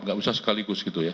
nggak bisa sekaligus gitu ya